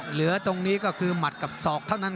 เหลือตรงนี้ก็คือหมัดกับศอกเท่านั้น